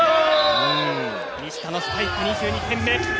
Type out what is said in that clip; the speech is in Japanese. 西田のスパイク、２２点目。